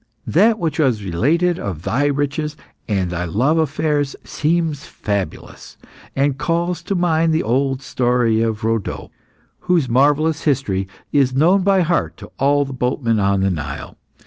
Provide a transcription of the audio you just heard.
That which is related of thy riches and thy love affairs seems fabulous, and calls to mind the old story of Rhodope, whose marvellous history is known by heart to all the boatmen on the Nile.